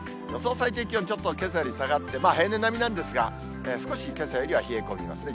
最低気温、ちょっとけさより下がって、平年並みなんですが、少し、けさよりは冷え込みますね。